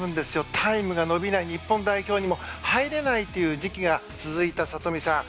タイムが伸びない日本代表にも入れないということが続いた聡美さん。